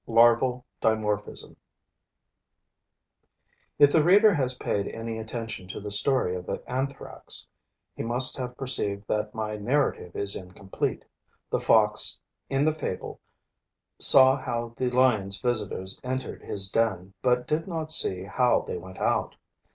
LARVAL DIMORPHISM If the reader has paid any attention to the story of the Anthrax, he must have perceived that my narrative is incomplete. The fox in the fable saw how the lion's visitors entered his den, but did not see how they went out.